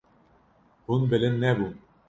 Hûn bilind nebûn.